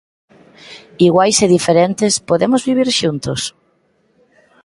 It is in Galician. Iguais e diferentes, podemos vivir xuntos?